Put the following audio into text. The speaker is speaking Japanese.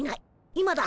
今だ。